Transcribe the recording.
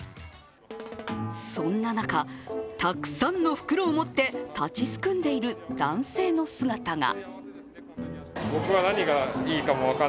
そんな中、たくさんの袋を持って立ちすくんでいる男性の姿が。